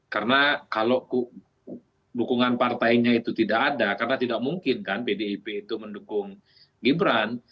karena kalau dukungan partainya itu tidak ada karena tidak mungkin kan pdp itu mendukung gibran